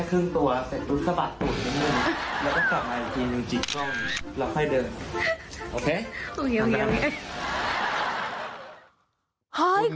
คุณแฟน